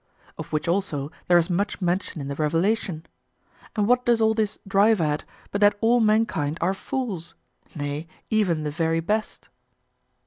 Of which also there is much mention in the Revelation. And what does all this drive at, but that all mankind are fools nay, even the very best?